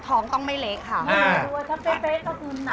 ท้องต้องไม่เล็กค่ะ